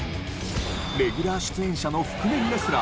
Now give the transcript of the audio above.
レギュラー出演者の覆面レスラーザ・